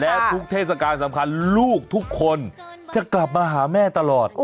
และทุกเทศกาลสำคัญลูกทุกคนจะกลับมาหาแม่ตลอด